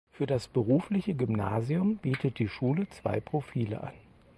Für das berufliche Gymnasium bietet die Schule zwei Profile an.